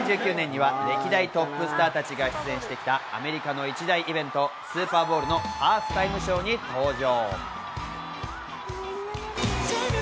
２０１９年には歴代トップスターたちが出演してきたアメリカの一大イベント、スーパーボウルのハーフタイムショーに登場。